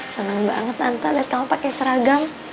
seneng banget tante liat kamu pakai seragam